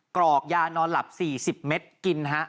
กรอกยานอนหลับ๔๐เมตรกินฮะ